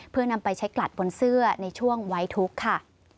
เพื่อนำไปใช้กลัดบนเสื้อในช่วงไว้ทุกข์ค่ะ